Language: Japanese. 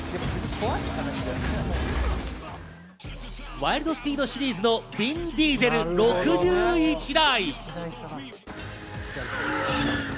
『ワイルド・スピード』シリーズのヴィン・ディーゼル６１台。